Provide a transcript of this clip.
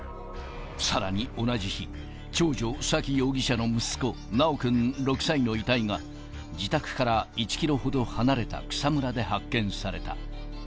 さらに同じ日、長女、沙喜容疑者の息子、修くん６歳の遺体が、自宅から１キロほど離れた草むらで発見された。